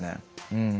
うん。